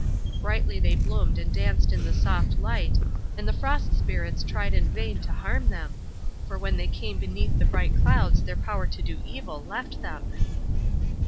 Brightly they bloomed and danced in the soft light, and the Frost Spirits tried in vain to harm them, for when they came beneath the bright clouds their power to do evil left them.